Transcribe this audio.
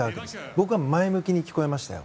僕は前向きに聞こえましたよ。